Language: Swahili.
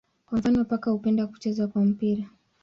Kwa mfano paka hupenda kucheza kwa mpira.